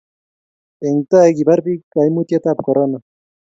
eng' tai, kibar biik kaimutietab korona